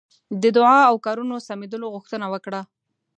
د دعا او کارونو سمېدلو غوښتنه وکړه.